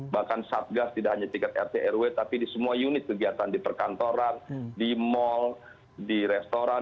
bahkan satgas tidak hanya tingkat rt rw tapi di semua unit kegiatan di perkantoran di mal di restoran